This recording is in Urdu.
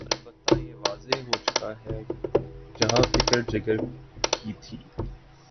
البتہ یہ واضح ہو چکا کہ جہاں فکر جگر کی تھی۔